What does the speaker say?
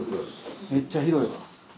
めっちゃ広いわ。